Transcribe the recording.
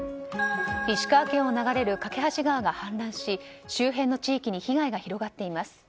石川県を流れる梯川が氾濫し周辺の地域に被害が広がっています。